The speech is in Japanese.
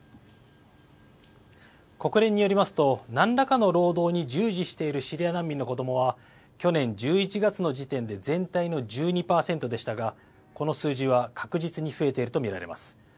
国連によりますと何らかの労働に従事しているシリア難民の子どもは去年１１月の時点で全体の１２％でしたがこの数字は確実に増えていると見られます。